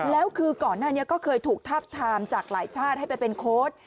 แล้วคือก่อนหน้านี้ก็เคยถูกทับทามจากหลายชาติให้ไปเป็นโค้ด